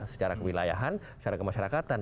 secara kewilayahan secara kemasyarakatan